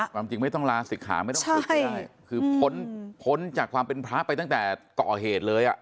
ความจริงไม่ต้องลาศิกขาใช่คือพ้นพ้นจากความเป็นพระไปตั้งแต่เกาะเหตุเลยอ่ะ